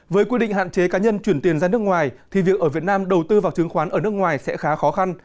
với quy định hạn chế cá nhân chuyển tiền ra nước ngoài thì việc ở việt nam đầu tư vào chứng khoán ở nước ngoài sẽ khá khó khăn